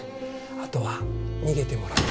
あとは逃げてもらって。